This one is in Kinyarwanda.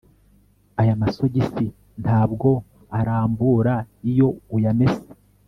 Aya masogisi ntabwo arambura iyo uyamesa